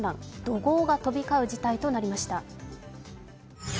怒号が飛び交う事態となりました。